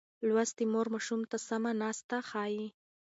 لوستې مور ماشوم ته سمه ناسته ښيي.